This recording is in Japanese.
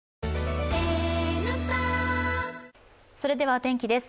お天気です。